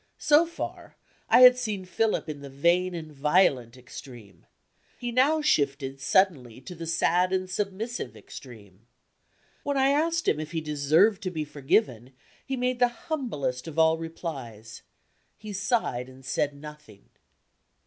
So far, I had seen Philip in the vain and violent extreme. He now shifted suddenly to the sad and submissive extreme. When I asked him if he deserved to be forgiven, he made the humblest of all replies he sighed and said nothing.